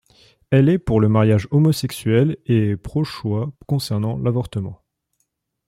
Elle est pour le mariage homosexuel et est pro-choix concernant l'avortement.